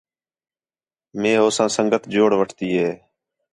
مے ہو ساں سنڳت جوڑ وٹھتی ہے